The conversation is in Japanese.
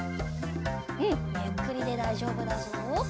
うんゆっくりでだいじょうぶだぞ。